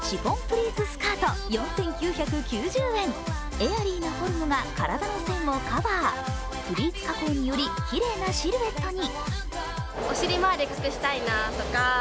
エアリーなフォルムが体の線をカバー、プリーツ加工により、きれいなシルエットに。